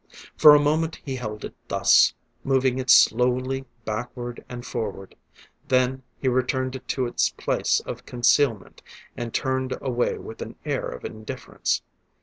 For a moment he held it thus, moving it slowly backward and forward: then he returned it to its place of concealment, and turned away with an air of indifference.